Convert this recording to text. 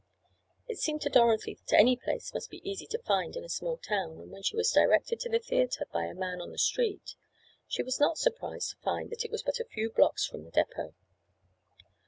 It seemed to Dorothy that any place must be easy to find in a small town, and when she was directed to the theatre by a man on the street, she was not surprised to find that it was but a few blocks from the depot.